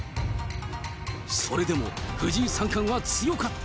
それでも、藤井三冠は強かった。